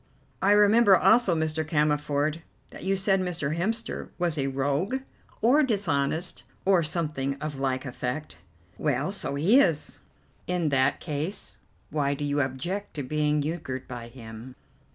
"I remember also, Mr. Cammerford, that you said Mr. Hemster was a rogue or dishonest, or something of like effect." "Well, so he is." "In that case, why do you object to being euchred by him?"